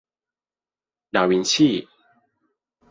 ดาวินชี